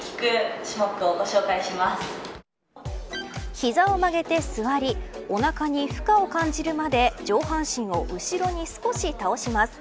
膝を曲げて座りおなかに負荷を感じるまで上半身を後ろに少し倒します。